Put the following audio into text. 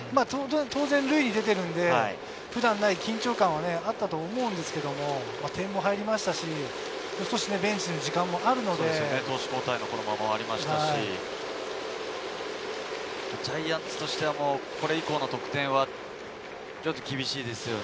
当然塁に出ているので緊張感はあったと思いますけど、点も入りましたし、ベンチでの時間もあるの投手交代の間もありましたし、ジャイアンツとしてはこれ以降の得点は厳しいですよね。